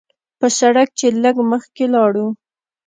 پۀ سړک چې لږ مخکښې لاړو نو